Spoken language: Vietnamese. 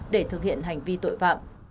để thực hiện hành vi tội phạm